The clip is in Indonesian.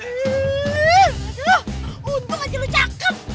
aduh untung aja lu cakep